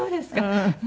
うん。